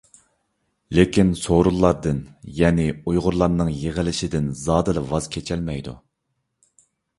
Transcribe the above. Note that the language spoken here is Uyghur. لېكىن، سورۇنلاردىن، يەنى ئۇيغۇرلارنىڭ يىغىلىشىدىن زادىلا ۋاز كېچەلمەيدۇ.